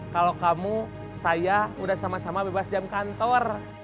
kalau kamu saya udah sama sama bebas jam kantor